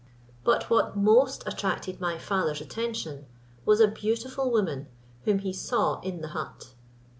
But what most attracted my father's attention was a beautiful woman whom he saw in the hut.